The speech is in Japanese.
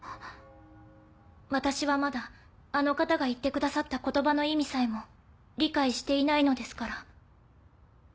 私はまだあの方が言ってくださった言葉の意味さえも理解していないのですから。